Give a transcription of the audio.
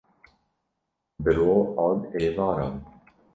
bi ro an êvaran